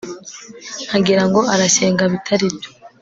nkagira ngo arashyenga bitaribyo